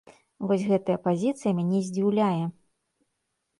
Вось гэтая пазіцыя мяне здзіўляе.